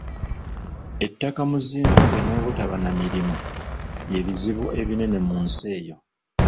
Ettaka mu Zimbabwe n’obutaba na mirimu bye bizibu ebinene mu nsi eyo.